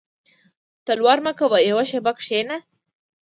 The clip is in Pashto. •تلوار مه کوه یو شېبه کښېنه.